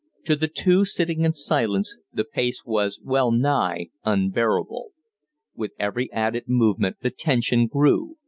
To the two sitting in silence the pace was wellnigh unbearable. With every added movement the tension grew.